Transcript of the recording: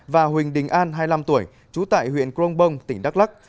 và huỳnh đình an hai mươi năm tuổi trú tại huyện crong bông tỉnh đắk lắc